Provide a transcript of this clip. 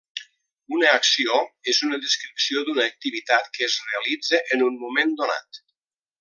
Una acció és una descripció d'una activitat que es realitza en un moment donat.